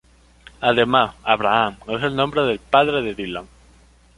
Además, Abraham es el nombre del padre de Dylan.